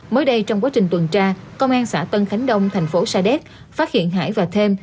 mới đây trong quá trình tuần tra công an xã tân khánh đông thành phố sa đéc phát hiện hải và thêm